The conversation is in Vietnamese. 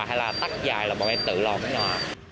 hay là tắt dài là bọn em tự lo